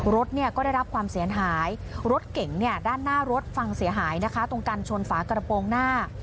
รถเนี่ยก็ได้รับความเสียหายรถเก่งเนี่ยด้านหน้ารถพังเสียหายนะคะตรงกันชนฝากระโปรงหน้า